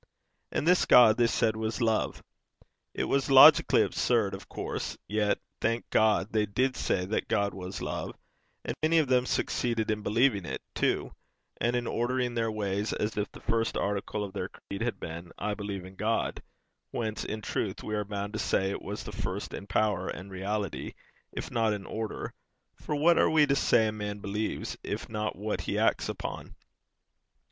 And this God they said was love. It was logically absurd, of course, yet, thank God, they did say that God was love; and many of them succeeded in believing it, too, and in ordering their ways as if the first article of their creed had been 'I believe in God'; whence, in truth, we are bound to say it was the first in power and reality, if not in order; for what are we to say a man believes, if not what he acts upon?